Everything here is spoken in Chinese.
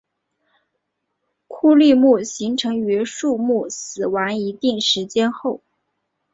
枯立木形成于树木死亡一定时间后。